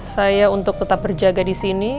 saya untuk tetap berjaga disini